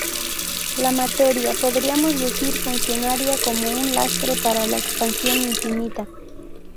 La materia podríamos decir funcionaría como un lastre para la expansión infinita.